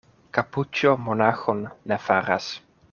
Kapuĉo monaĥon ne faras.